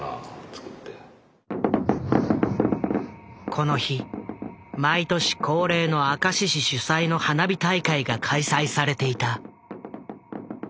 この日毎年恒例の明石市主催の花火大会が開催されていた。